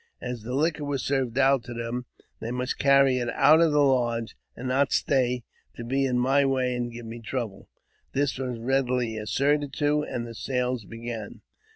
As the liquor was served out to them, they must JAMES P. BECKWOUBTH. 365 ■carry it out of the lodge, and not stay to be in my way and give me trouble. This was readily assented to, and the sales began.